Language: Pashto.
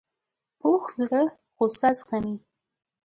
پوخ زړه غصه زغمي